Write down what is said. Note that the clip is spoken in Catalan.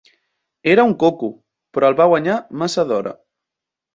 Era un coco, però el va guanyar massa d'hora!